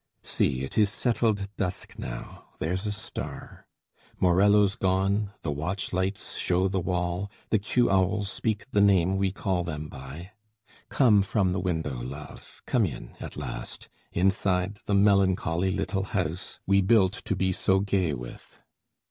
See, it is settled dusk now: there's a star; Morello's gone, the watch lights show the wall, The cue owls speak the name we call them by. Come from the window, love, come in, at last, Inside the melancholy little house We built to be so gay with.